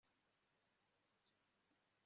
by agaciro yaherewe uruhushya mu mbago ze